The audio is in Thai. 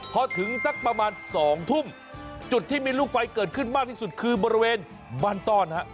พอถึงสักประมาณ๒ทุ่มจุดที่มีลูกไฟเกิดขึ้นมากที่สุดคือบริเวณบ้านต้อนฮะ